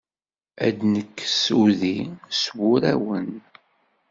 Ad d-nekkes udi s wurawen.